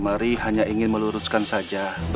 ibu trish percaya kita mekar per communists